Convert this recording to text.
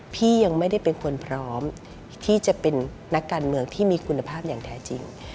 พี่ยังไม่ได้เป็นคนพร้อมที่จะเป็นนักการเมืองที่มีคุณภาพอย่างแท้จริง